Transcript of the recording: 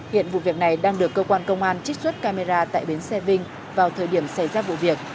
hiện vụ việc này đang được cơ quan công an trích xuất camera tại bến xe vinh vào thời điểm xảy ra vụ việc